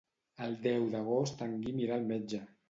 El deu d'agost en Guim irà al metge.